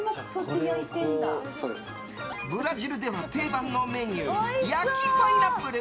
ブラジルでは、定番のメニュー焼きパイナップル。